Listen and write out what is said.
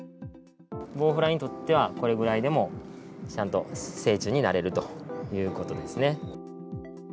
ボウフラにとっては、これぐらいでも、ちゃんと成虫になれるということですね。